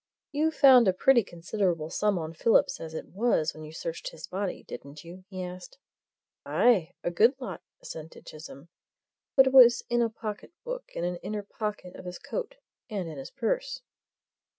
"You found a pretty considerable sum on Phillips as it was when you searched his body, didn't you?" he asked. "Aye a good lot!" assented Chisholm. "But it was in a pocket book in an inner pocket of his coat, and in his purse."